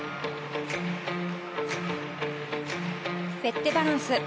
フェッテバランス。